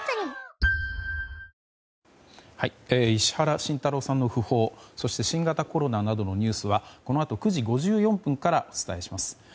石原慎太郎さんの訃報そして新型コロナなどのニュースはこのあと９時５４分からお伝えします。